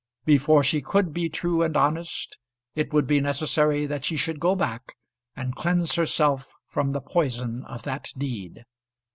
Before she could be true and honest it would be necessary that she should go back and cleanse herself from the poison of that deed.